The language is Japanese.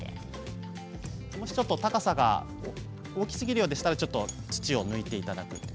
もしちょっと高さが大きすぎるようでしたら土を抜いていただく。